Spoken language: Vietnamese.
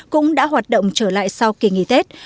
cũng đã hoạt động trở lại sau kỳ nghỉ tết